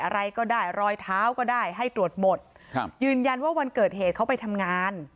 อะไรก็ได้รอยเท้าก็ได้ให้ตรวจหมดครับยืนยันว่าวันเกิดเหตุเขาไปทำงาน